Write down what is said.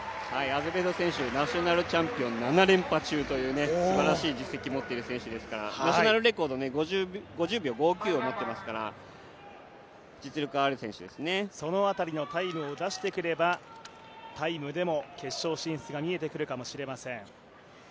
アゼベド選手ナショナルチャンピオン７連覇中というすばらしい実績を持ってる選手ですからナショナルレコード、５０秒５９を持っている選手ですからその辺りのタイムを出してくれば、タイムでも決勝進出が見えてくるかもしれません。